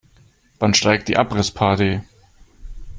Wann steigt die Abrissparty?